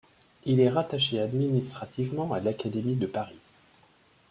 Il est rattaché administrativement à l’académie de Paris.